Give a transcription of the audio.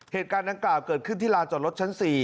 เหตุการณ์ดังกล่าวเกิดขึ้นที่ลานจอดรถชั้น๔